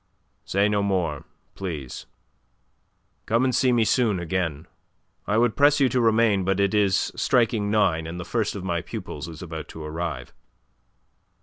"Say no more, please. Come and see me soon again. I would press you to remain, but it is striking nine, and the first of my pupils is about to arrive."